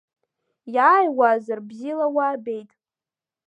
Иаауазар, бзиала иаабеит.